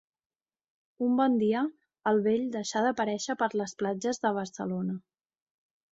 Un bon dia, el vell deixà d'aparèixer per les platges de Barcelona.